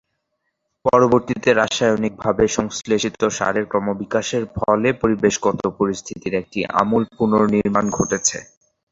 পরবর্তীতে রাসায়নিকভাবে সংশ্লেষিত সারের ক্রমবিকাশের ফলে পরিবেশগত পরিস্থিতির একটি আমূল পুনর্নির্মাণ ঘটেছে।